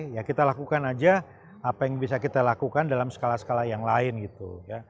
ya kita lakukan aja apa yang bisa kita lakukan dalam skala skala yang lain gitu ya